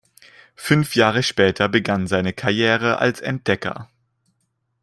Fünf Jahre später begann seine Karriere als Entdecker.